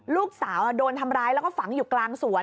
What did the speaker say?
ลูกสาวโดนทำร้ายแล้วก็ฝังอยู่กลางสวน